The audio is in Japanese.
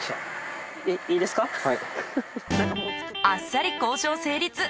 あっさり交渉成立。